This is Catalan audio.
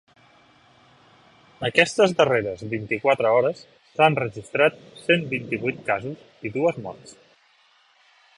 Aquestes darreres vint-i-quatre hores s’han registrat cent vint-i-vuit casos i dues morts.